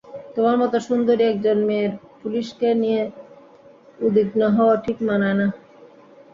তোমার মতো সুন্দরী একজন মেয়ের পুলিশকে নিয়ে উদ্বিগ্ন হওয়া ঠিক মানায় না।